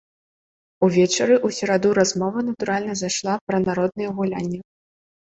Увечары ў сераду размова, натуральна, зайшла пра народныя гулянні.